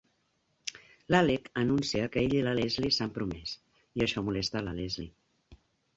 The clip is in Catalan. L'Alec anuncia que ell i la Leslie s'han promès, i això molesta la Leslie.